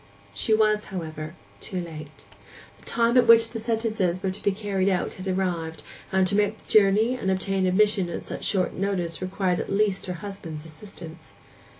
She was, however, too late. The time at which the sentences were to be carried out had arrived, and to make the journey and obtain admission at such short notice required at least her husband's assistance.